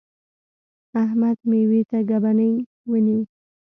احمد؛ مېوې ته ګبڼۍ ونیو.